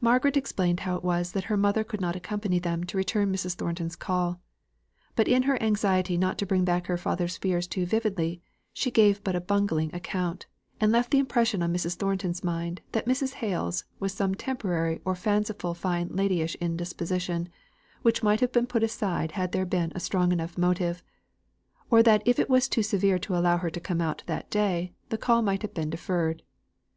Margaret explained how it was that her mother could not accompany them to return Mrs. Thornton's call; but in her anxiety not to bring back her father's fears too vividly, she gave but a bungling account, and left the impression on Mrs. Thornton's mind that Mrs. Hale's was some temporary or fanciful fine ladyish indisposition, which might have been put aside had there been a strong enough motive; or that if it was too severe to allow her to come out that day, the call might have been deferred.